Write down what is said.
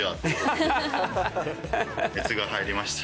熱が入りました。